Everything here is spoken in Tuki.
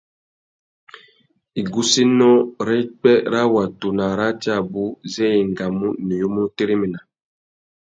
Igussénô râ ipwê râ watu na arratê abú zê i engamú nuyumú nu téréména.